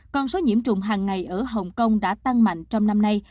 còn số nhiễm trụng hàng ngày ở hồng kông đã tăng mạnh trong năm nay